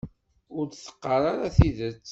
Ur d-teqqar ara tidet.